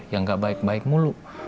yang gak baik baik mulu